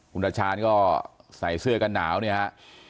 คุณตาชาญก็ใส่เสื้อกันหนาวเนี่ยฮะ